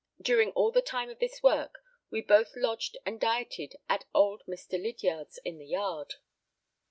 During all the time of this work, we both lodged and dieted at old Mr. Lydiard's in the yard.